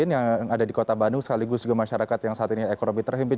yang ada di kota bandung sekaligus juga masyarakat yang saat ini ekonomi terhimpit